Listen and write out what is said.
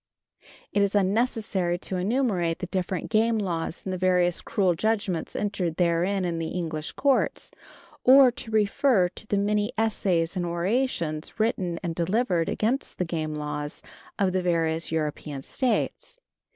It is unnecessary to enumerate the different game laws and the various cruel judgments entered therein in the English courts, or to refer to the many essays and orations written and delivered against the game laws of the various European States.